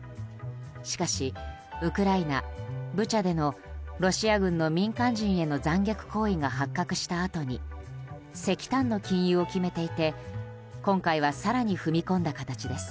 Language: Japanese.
しかし、ウクライナ・ブチャでのロシア軍の民間人への残虐行為が発覚したあとに石炭の禁輸を決めていて今回は更に踏み込んだ形です。